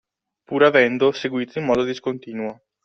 Pur avendo seguito in modo discontinuo